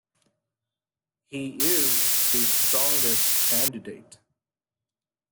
He is the strongest candidate.